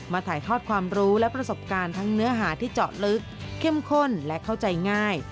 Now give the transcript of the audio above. ถ่ายทอดความรู้และประสบการณ์ทั้งเนื้อหาที่เจาะลึกเข้มข้นและเข้าใจง่าย